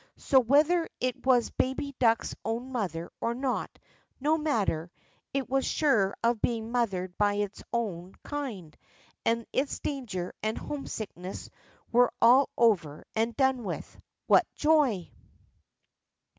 So whether it was baby duck's own mother or not, no matter, it was sure of being mothered by one of its own kind, and its danger and homesickness were all over and done with. What joy